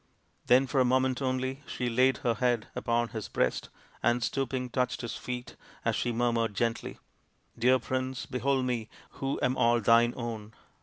Then for a moment only she laid her head upon his breast, and, stooping, touched his feet as she murmured gently, " Dear Prince, behold me, who am all thine own."